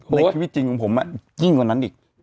ในชีวิตจริงของผมยิ่งกว่านั้นอีก